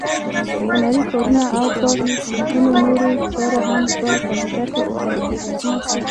هنري کارونه او په سلګونو نورې چارې هم په کمپیوټر کې ترسره کېږي.